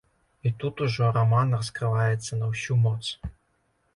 І тут ужо раман раскрываецца на ўсю моц!